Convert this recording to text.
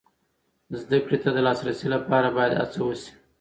زده کړې ته د لاسرسي لپاره باید هڅه وسي.